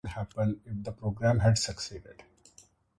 The conundrum was what would happen if the program had succeeded.